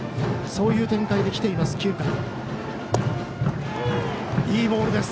そういう展開できています、９回。